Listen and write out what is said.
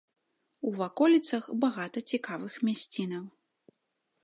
У ваколіцах багата цікавых мясцінаў.